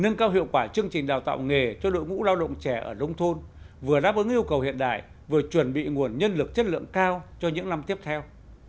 nâng cao hiệu quả chương trình đào tạo nghề cho đội ngũ lao động trẻ ở nông thôn vừa đáp ứng yêu cầu hiện đại vừa chuẩn bị nguồn nhân lực chất lượng cao cho những năm tiếp theo